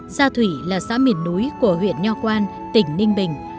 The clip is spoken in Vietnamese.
gia thủy là xã miền núi của huyện nho quan tỉnh ninh bình